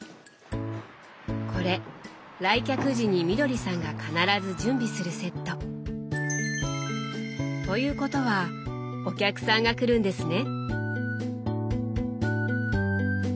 これ来客時にみどりさんが必ず準備するセット。ということはお客さんが来るんですね。